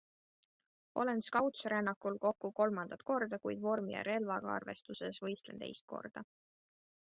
Olen Scoutsrännakul kokku kolmandat korda, kuid vormi ja relvaga arvestuses võistlen teist korda.